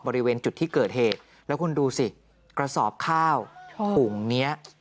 บริเวณจุดที่เกิดเหตุแล้วคุณดูสิกระสอบข้าวถุงเนี้ย